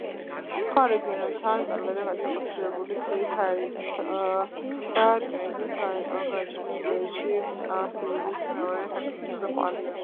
სხვა რეგიონებთან კარგადაა დაკავშირებული გზით, ჰაერით და რკინიგზით, გააჩნია ინდოეთში სიდიდით მეორე სარკინიგზო კვანძი.